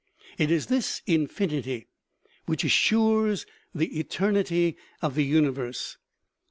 It is this infinity which assures the eternity of the uni verse.